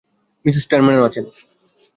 Mrs টারম্যানও আছেন।